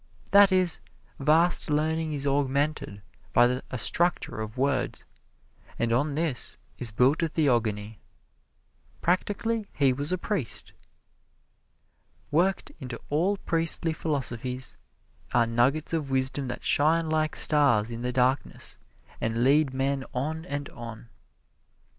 That is, vast learning is augmented by a structure of words, and on this is built a theogony. Practically he was a priest. Worked into all priestly philosophies are nuggets of wisdom that shine like stars in the darkness and lead men on and on.